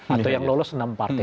atau yang lolos enam partai